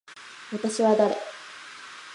私は誰。